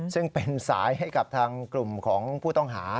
ซึ่งเป็นสายให้กับทางกลุ่มของผู้ต้องหา